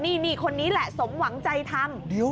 นี่คนนี้แหละสมหวังใจทำ